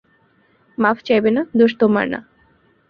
মাফ চাইবে না, দোষ তোমার না।